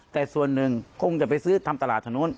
แต่ส่วนหนึ่งคงจะไปซื้อทำตลาดถนน